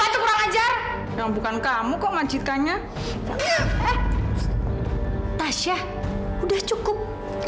yang bukan kamu kok majikannya tasya udah cukup